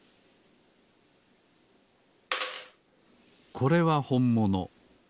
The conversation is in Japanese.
これはほんもの。